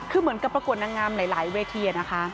คือเหมือนกับประกวดนางงามหลายเวทีนะคะ